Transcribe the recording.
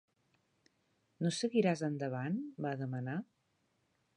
"No seguiràs endavant?" va demanar.